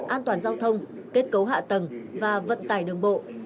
an toàn giao thông kết cấu hạ tầng và vận tải đường bộ